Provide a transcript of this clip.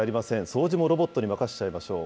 掃除もロボットに任せちゃいましょう。